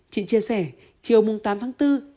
chị chia sẻ chiều tám tháng bốn